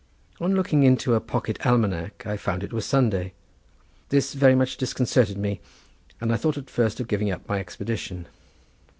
On looking into a pocket almanac I found it was Sunday. This very much disconcerted me, and I thought at first of giving up my expedition.